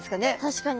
確かに。